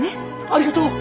ありがとう！